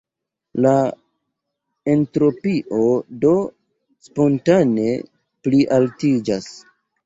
La entropio do spontane plialtiĝas.